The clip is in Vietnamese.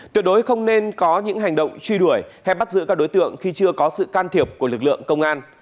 tuyệt đối không nên có những hành động truy đuổi hay bắt giữ các đối tượng khi chưa có sự can thiệp của lực lượng công an